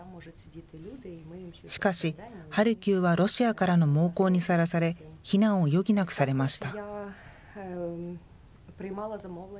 しかし、ハルキウはロシアからの猛攻にさらされ、避難を余儀なくされました。